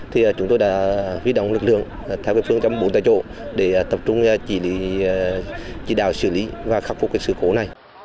thì chúng tôi đã huy động lực lượng theo cái phương chấm bốn tại chỗ để tập trung chỉ đạo xử lý và khắc phục cái sự cố này